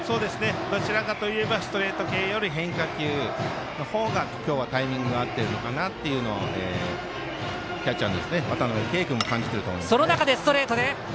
どちらかといえばストレート系より変化球のほうが今日はタイミングが合ってるのかなというのをキャッチャーの渡辺憩君も感じていると思います。